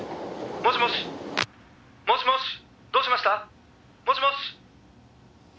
「もしもしどうしました？もしもし？」